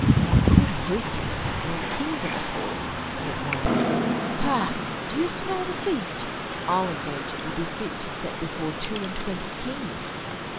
"Our good hostess has made kings of us all," said one. "Ha! do you smell the feast? I'll engage it will be fit to set before two and twenty kings."